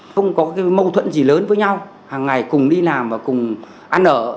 không có mâu thuẫn gì lớn với nhau hằng ngày cùng đi làm và cùng ăn ở